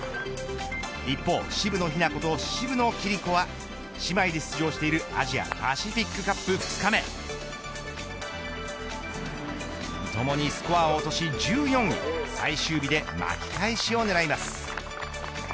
一方、渋野日向子と渋野暉璃子は姉妹で出場しているアジアパシフィックカップ２日目ともにスコアを落とし１４位最終日で巻き返しを狙います。